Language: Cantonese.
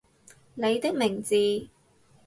你的名字